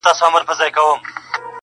سېمابي سوی له کراره وځم,